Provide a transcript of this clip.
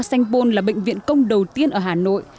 sanh pôn là bệnh viện công đầu tiên ở hà nội